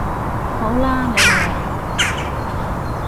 好啦你贏